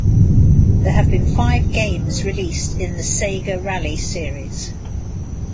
There have been five games released in the "Sega Rally" series.